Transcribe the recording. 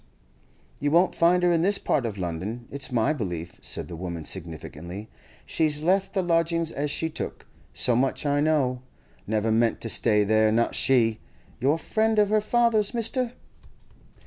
'You won't find her in this part of London, it's my belief,' said the woman significantly. 'She's left the lodgings as she took—so much I know. Never meant to stay there, not she! You're a friend of her father's, mister?